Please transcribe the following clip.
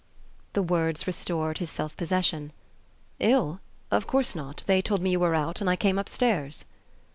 The words restored his self possession. "Ill? Of course not. They told me you were out and I came upstairs."